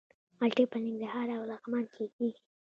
مالټې په ننګرهار او لغمان کې کیږي.